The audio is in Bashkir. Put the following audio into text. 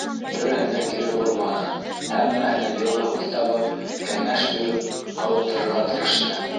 Береһен дә кире борманы, һәммәһенә йылы һүҙ табып, кәңәш биреп, һауыҡтырырға тырышты.